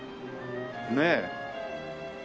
ねえ。